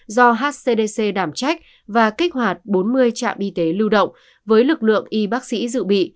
do hcdc đảm trách và kích hoạt bốn mươi trạm y tế lưu động với lực lượng y bác sĩ dự bị